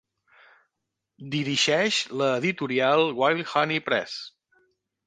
Dirigeix la editorial Wild Honey Press.